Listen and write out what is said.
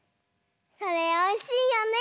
それおいしいよね。